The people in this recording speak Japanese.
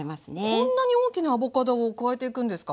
こんなに大きなアボカドを加えていくんですか？